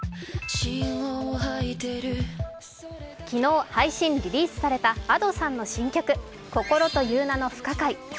昨日配信・リリースされたＡｄｏさんの新曲、「心という名の不可解」。